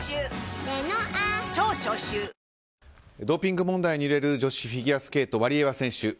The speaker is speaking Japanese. ドーピング問題に揺れる女子フィギュアスケートワリエワ選手。